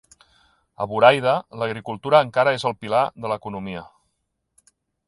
A Burayda, l'agricultura encara és el pilar de l'economia.